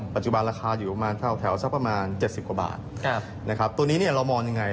ปัจจุบันราคาอยู่แค่แถวประมาณ๗๐กว่าบาทตัวนี้เรามองยังไง